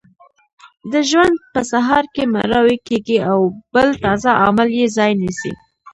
د ژوند په سهار کې مړاوې کیږي او بل تازه عامل یې ځای نیسي.